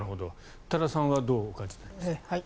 多田さんはどうお感じになりますか？